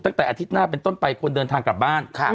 ตั้งแต่อาทิตย์หน้าเป็นต้นไปคนเดินทางกลับบ้าน